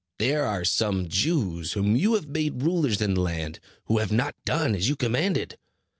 There are some Jews, whom you have made rulers in the land, who have not done as you commanded.